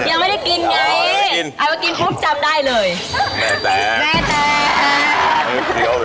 อ่าไม่กินไงเอาละกินพรุ่งจับได้เลย